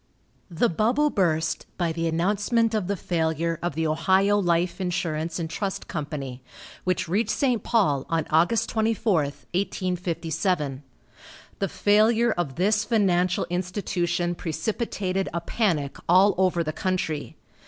The bubble burst by the announcement of the failure of the Ohio Life Insurance and Trust Company, which reached St. Paul on Aug. 24, 1857. The failure of this financial institution precipitated a panic all over the country.